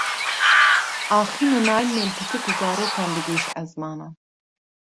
axîn û nalînên pitik û zarokan digihîşt ezmanan